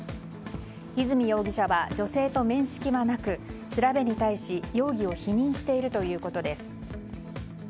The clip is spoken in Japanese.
和泉容疑者は女性と面識はなく調べに対し容疑を否認しているということです。